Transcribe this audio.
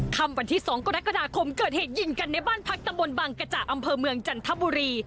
คำวันที่๒กรกฎาคมเกิดเหตุยิงกันในบ้านพักตำบลบังกระจ่าอำเภอเมืองจันทบุรี